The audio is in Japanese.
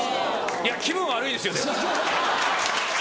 いや気分悪いですよ！